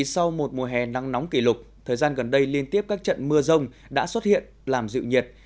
sau một mùa hè nắng nóng kỷ lục thời gian gần đây liên tiếp các trận mưa rông đã xuất hiện làm dịu nhiệt